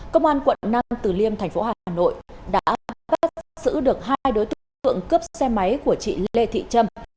công an quận năm tử liêm thành phố hà nội đã bắt giữ được hai đối tượng cướp xe máy của chị lê thị trâm